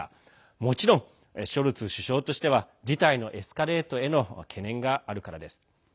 もちろん、ショルツ首相としては事態のエスカレートへの懸念があるからです。